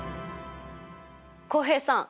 浩平さん